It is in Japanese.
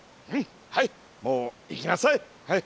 はいもう行きなさい。